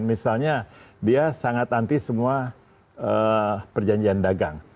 misalnya dia sangat anti semua perjanjian dagang